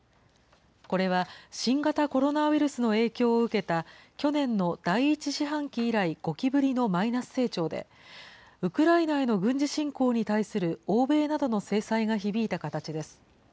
これは新型コロナウイルスの影響を受けた去年の第１四半期以来、５期ぶりのマイナス成長で、ウクライナへの軍事侵攻に対する欧米などの制裁が響いた形です。